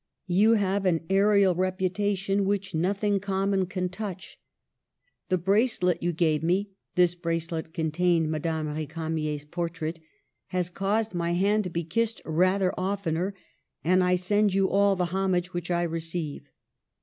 You have an aerial reputation which nothing common can touch. The bracelet you gave me [this bracelet contained Madame R^camier's portrait] has caused my hand to be kissed rather of tener, and I send you all the homage which I receive."